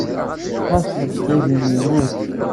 Ɣas ḥseb aydi-nni yemmut.